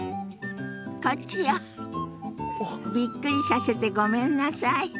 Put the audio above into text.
びっくりさせてごめんなさい。